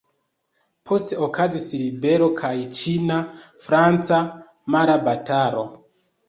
Poste okazis ribelo kaj ĉina-franca mara batalo.